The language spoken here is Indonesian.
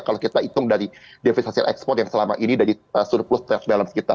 kalau kita hitung dari defis hasil ekspor yang selama ini jadi surplus travel balance kita